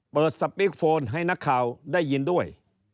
สปีกโฟนให้นักข่าวได้ยินด้วย